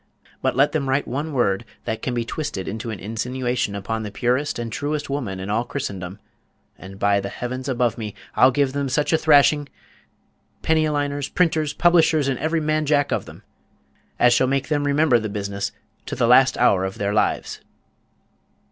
But let them write one word that can be twisted into an insinuation upon the purest and truest woman in all Christendom, and, by the Heaven above me, I'll give them such a thrashing penny a liners, printers, publishers, and every man Jack of them as shall make them remember the business to the last hour of their lives!"